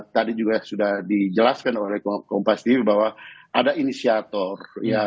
tadi juga sudah dijelaskan oleh kompas diri bahwa ada inisiator